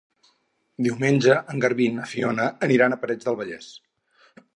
Diumenge en Garbí i na Fiona aniran a Parets del Vallès.